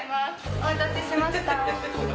お待たせしました。